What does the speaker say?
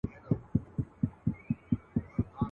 له ټوخي یې په عذاب کلی او کور وو.